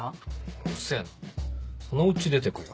うっせぇなそのうち出てくよ。